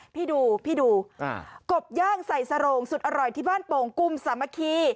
พี่ดูพี่ดูกบย่างใส่สโรงสุดอร่อยที่บ้านโป่งกุ้มสามัคคี